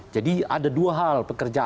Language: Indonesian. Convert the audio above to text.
jadi ada dua hal